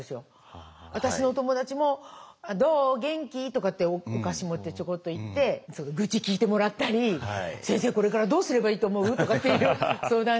私のお友達も「どう？元気？」とかってお菓子持ってちょこっと行って愚痴聞いてもらったり「先生これからどうすればいいと思う？」とかっていう相談しながら。